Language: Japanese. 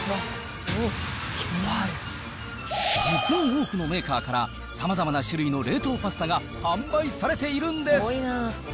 実に多くのメーカーからさまざまな種類の冷凍パスタが販売されているんです。